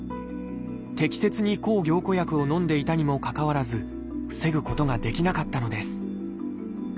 適切に抗凝固薬をのんでいたにもかかわらず防ぐことができなかったのです。